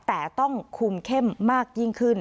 แต่ต้องคุมเข้มมากยิ่งขึ้น